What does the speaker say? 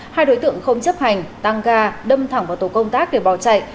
hai đối tượng không chấp hành tăng ga đâm thẳng vào tổ công tác để bỏ chạy